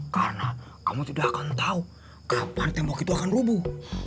karena kamu tidak akan tahu kapan tembok itu akan rubuh